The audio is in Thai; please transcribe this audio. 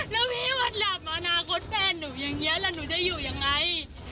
แล้วพี่วัดหลับมาอนาคตแฟนหนูอย่างนี้แล้วหนูจะอยู่ยังไง